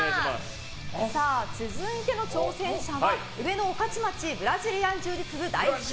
続いての挑戦者は上野御徒町ブラジリアン柔術部代表